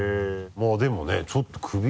まぁでもねちょっと首。